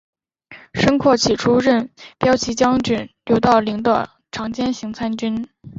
申恬起初任骠骑将军刘道邻的长兼行参军。